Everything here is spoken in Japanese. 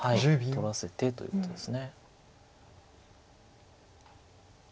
取らせてということです。